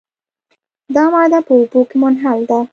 دا ماده په اوبو کې منحل ده.